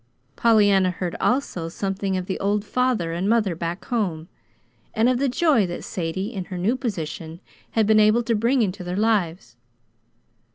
Pollyanna heard, also, something of the old father and mother "back home," and of the joy that Sadie, in her new position, had been able to bring into their lives.